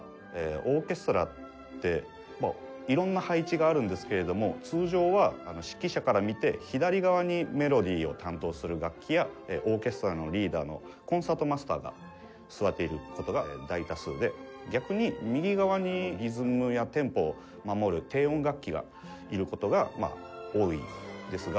オーケストラって色んな配置があるんですけれども通常は指揮者から見て左側にメロディを担当する楽器やオーケストラのリーダーのコンサートマスターが座っている事が大多数で逆に右側にリズムやテンポを守る低音楽器がいる事が多いんですが。